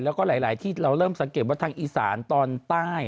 แล้วก็หลายที่เราเริ่มสังเกตว่าทางอีสานตอนใต้